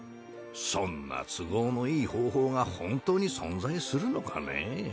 そんな都合のいい方法が本当に存在するのかねぇ？